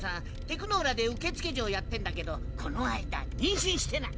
テクノーラで受付嬢やってんだけどこの間妊娠してな。